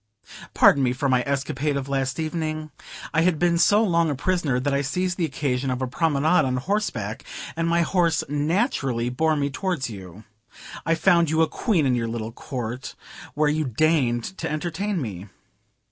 Pardon me for my escapade of last evening. I had been so long a prisoner, that I seized the occasion of a promenade on horseback, and my horse naturally bore me towards you. I found you a Queen in your little court, where you deigned to entertain me.